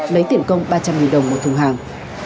lấy tiền công ba trăm linh đồng một thùng hàng